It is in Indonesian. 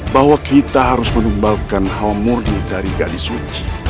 bahwa kita harus menumbalkan hawa murdi dari gadis suci